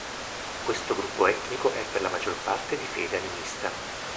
Questo gruppo etnico è per la maggior parte di fede animista.